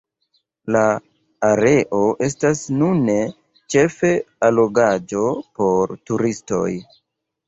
La areo estas nune ĉefe allogaĵo por turistoj.